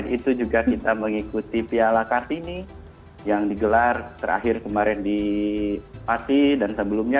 itu juga kita mengikuti piala kartini yang digelar terakhir kemarin di pati dan sebelumnya